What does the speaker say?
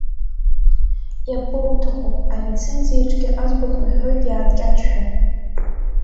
Иабоуҭаху, арецензиаҿгьы аӡбахә уҳәоит иааркьаҿшәа.